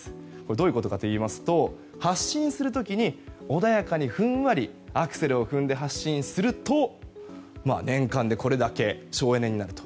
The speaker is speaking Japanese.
どういうことかといいますと発進する時に穏やかにふんわりアクセルを踏んで発進すると年間でこれだけ省エネになると。